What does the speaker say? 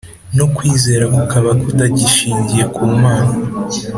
no kwizera kukaba kutagishingiye ku Mana